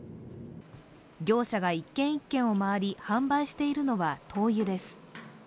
業者が１軒１軒を回り、販売しているのは灯油です。